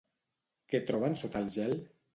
Què troben sota el gel?